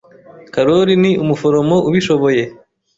Karoli ni umuforomo ubishoboye.